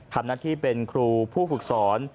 ทำหน้าที่เป็นครูผู้ฝึกสอน